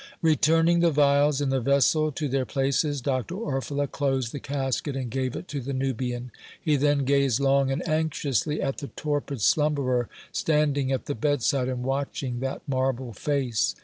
Returning the vials and the vessel to their places, Dr. Orfila closed the casket and gave it to the Nubian. He then gazed long and anxiously at the torpid slumberer, standing at the bedside and watching that marble face.